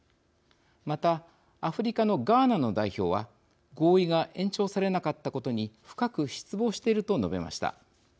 また、アフリカのガーナの代表は合意が延長されなかったことに深く失望していると述べました。